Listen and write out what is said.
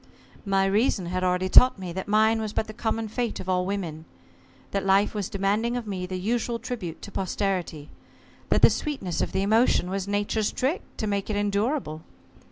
"My reason had already taught me that mine was but the common fate of all women: that life was demanding of me the usual tribute to posterity: that the sweetness of the emotion was Nature's trick to make it endurable.